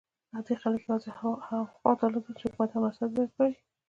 عادي خلک یوازې هغه حقوق درلودل چې حکومت او مذهب یې ورکړي.